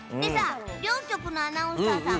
両局のアナウンサーさん